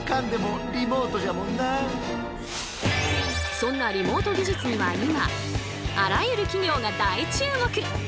そんなリモート技術には今あらゆる企業が大注目！